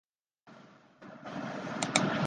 郭坚出生于一个贫苦的农民家庭。